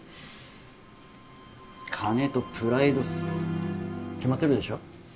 金とプライドっすよ決まってるでしょ